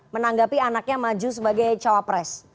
menanggapi anaknya maju sebagai cawapres